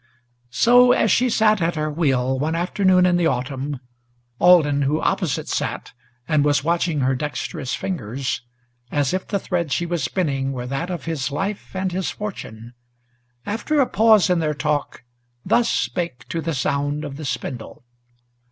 So as she sat at her wheel one afternoon in the Autumn, Alden, who opposite sat, and was watching her dexterous fingers, As if the thread she was spinning were that of his life and his fortune, After a pause in their talk, thus spake to the sound of the spindle.